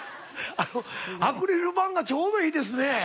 アクリル板がちょうどいいですね。